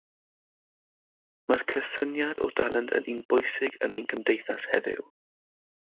Mae'r cysyniad o dalent yn un pwysig yn ein cymdeithas heddiw.